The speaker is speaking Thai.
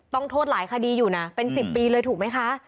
ต้องโทษหลายคดีอยู่นะเป็น๑๐ปีเลยถูกไหมคะ